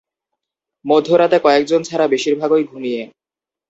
মধ্যরাতে কয়েকজন ছাড়া বেশির ভাগই ঘুমিয়ে।